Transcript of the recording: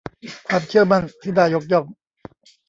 ความเชื่อมั่นที่น่ายกย่อง